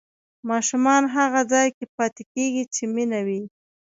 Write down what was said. ماشومان هغه ځای کې پاتې کېږي چې مینه وي.